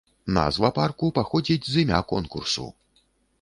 Назва парку паходзіць з імя конкурсу.